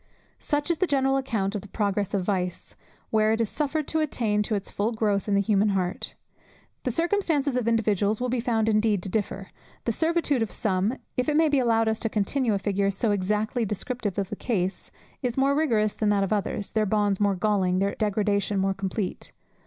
Such is the general account of the progress of vice, where it is suffered to attain to its full growth in the human heart. The circumstances of individuals will be found indeed to differ; the servitude of some, if it may be allowed us to continue a figure so exactly descriptive of the case, is more rigorous than that of others, their bonds more galling, their degradation more complete.